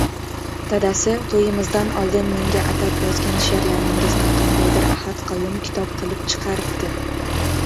Dadasi, toʻyimizdan oldin menga atab yozgan sheʼrlaringizni qandaydir Ahad Qayum kitob qilib chiqaribdi.